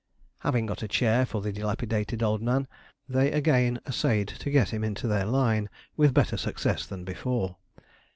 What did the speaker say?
Having got a chair for the dilapidated old man, they again essayed to get him into their line, with better success than before.